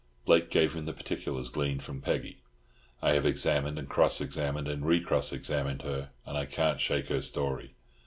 Blake gave him the particulars gleaned from Peggy. "I have examined and cross examined and re cross examined her, and I can't shake her story."